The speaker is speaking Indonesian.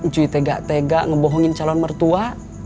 cuy tegak tegak ngebohongin calon mertua